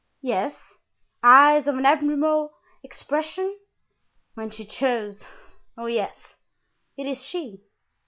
"Yes." "Eyes of an admirable expression?" "When she chose. Oh, yes, it is she!"